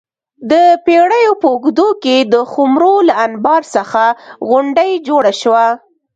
د پېړیو په اوږدو کې د خُمرو له انبار څخه غونډۍ جوړه شوه